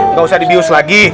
nggak usah dibius lagi